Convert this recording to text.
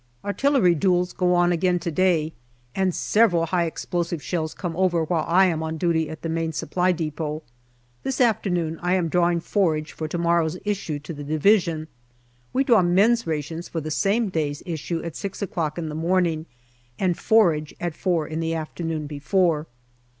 ARTILLERY duels go on again to day, and several high explosive shells come over while I am on duty at the Main Supply depot. This afternoon I am drawing forage for to morrow's issue to the Division. We draw men's rations for the same day's issue at six o'clock in the morning, and forage at four in the afternoon before.